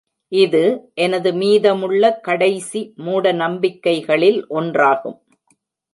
இது எனது மீதமுள்ள கடைசி மூடநம்பிக்கைகளில் ஒன்றாகும்.